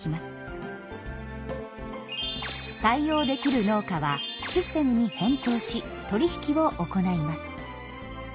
対応できる農家はシステムに返答し取り引きを行います。